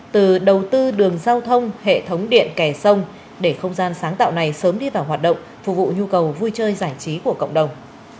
từ đầu tư đường giao thông hệ thống điện kè sông để không gian sáng tạo này sớm đi vào hoạt động phục vụ nhu cầu vui chơi giải trí của cộng đồng